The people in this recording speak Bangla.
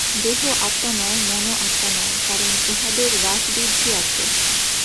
দেহ আত্মা নয়, মনও আত্মা নয়, কারণ উহাদের হ্রাসবৃদ্ধি আছে।